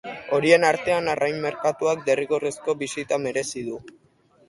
Horien artean, arrain merkatuak derrigorrezko bisita merezi du.